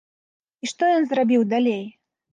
І што ён зрабіў далей?